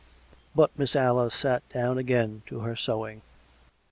But Mistress Alice sat down again to her sewing.